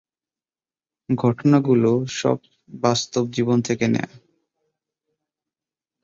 ঘটনাগুলো সব বাস্তব জীবন থেকে নেওয়া।